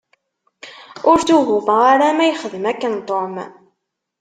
Ur ttuhumeɣ ara ma ixdem akken Tom.